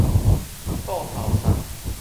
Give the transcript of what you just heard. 倒頭插